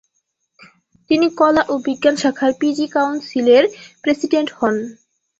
তিনি কলা ও বিজ্ঞান শাখার পি.জি. কাউন্সিলের প্রেসিডেন্ট হন।